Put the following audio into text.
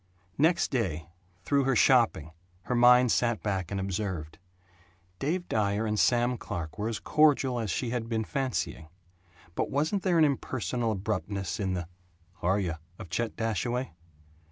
Next day, through her shopping, her mind sat back and observed. Dave Dyer and Sam Clark were as cordial as she had been fancying; but wasn't there an impersonal abruptness in the "H' are yuh?" of Chet Dashaway?